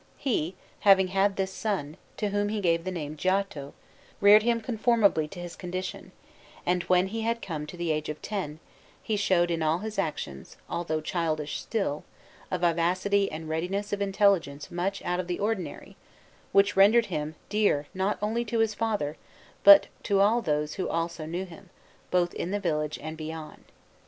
He, having had this son, to whom he gave the name Giotto, reared him conformably to his condition; and when he had come to the age of ten, he showed in all his actions, although childish still, a vivacity and readiness of intelligence much out of the ordinary, which rendered him dear not only to his father but to all those also who knew him, both in the village and beyond.